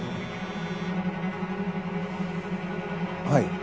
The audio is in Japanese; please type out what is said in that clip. はい。